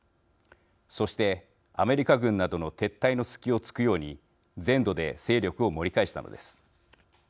そしてアメリカ軍などの撤退の隙をつくように全土で勢力を盛り返したのです。